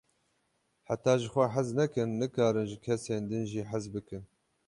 Heta ji xwe hez nekin, nikarin ji kesên din jî hez bikin.